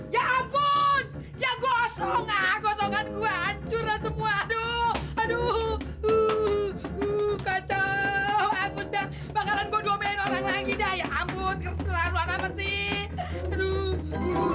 ya ampun ya gosong ah kosongan saya hancur aduh aduh kacau bagus dan bakalan saya doain orang lagi ya ampun kelakuan apa sih